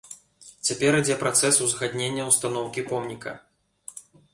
Цяпер ідзе працэс узгаднення устаноўкі помніка.